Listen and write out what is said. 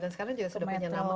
sekarang juga sudah punya nama